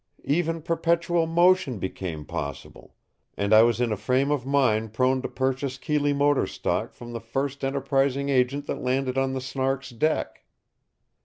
Even perpetual motion became possible, and I was in a frame of mind prone to purchase Keeley Motor stock from the first enterprising agent that landed on the Snark's deck.